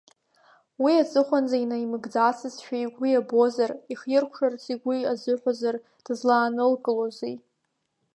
Уи аҵыхәанӡа инаимыгӡацызшәа игәы иабозар, ихиркәшарц игәы азыҳәозар, дызлаанылкылози.